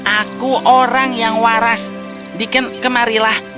aku orang yang waras deacon kemarilah